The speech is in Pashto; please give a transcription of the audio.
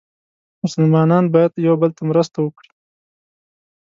مسلمانان باید یو بل ته مرسته وکړي.